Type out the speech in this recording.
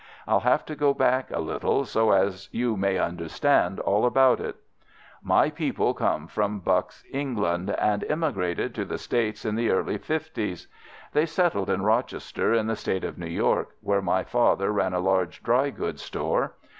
I'll have to go back a little so as you may understand all about it. "My people came from Bucks, England, and emigrated to the States in the early fifties. They settled in Rochester, in the State of New York, where my father ran a large dry goods store.